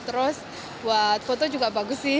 terus buat foto juga bagus sih